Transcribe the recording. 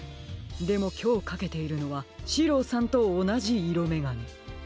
でもきょうかけているのはシローさんとおなじいろめがね。